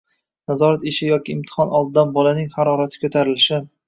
Nazorat ishi yoki imtihon oldidan bolaning harorati ko‘tarilishi